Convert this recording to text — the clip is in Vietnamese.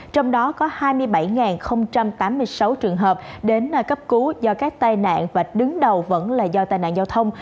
trong đó có hai mươi bảy tám mươi sáu trường hợp đến cấp cứu do các tai nạn và đứng đầu vẫn là do tai nạn giao thông